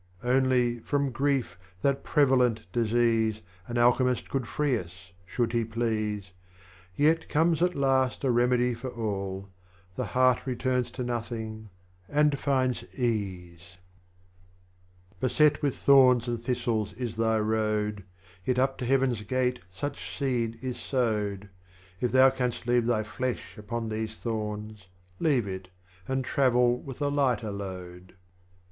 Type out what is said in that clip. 47. Only, from Grief, that Prevalent Disease, An Alchemist could free us, should he please. Yet comes at last a Remedy for all, The Heart returns to Nothing, and finds Ease. BABA TAHTR 13 48. Beset with Thorns and Thistles is thy Road, Yet up to Heaven's Gate such Seed is sowed. If thou canst leave thy Flesh upon these Thorns, Leave it, and travel with a Lighter Load.